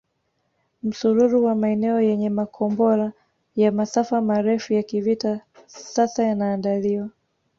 Msururu wa maeneo yenye makombora ya masafa marefu ya kivita sasa yanaandaliwa